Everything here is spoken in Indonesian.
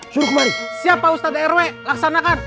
siap pak ustadz rw laksanakan